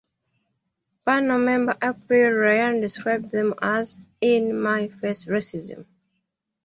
Panel member April Ryan described them as "in-my-face racism".